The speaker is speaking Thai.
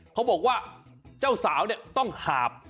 เขาบอกว่าเจ้าสาวเนี่ยต้องหาบ